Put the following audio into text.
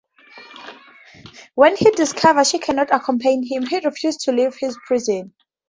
When he discovers she cannot accompany him, he refuses to leave his prison.